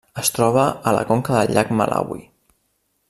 Es troba a la conca del llac Malawi.